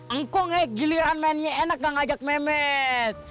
engkong ya giliran mainnya enak gak ngajak mehmet